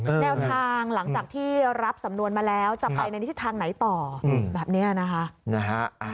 แนวทางหลังจากที่รับสำนวนมาแล้วจะไปในทิศทางไหนต่อแบบนี้นะคะ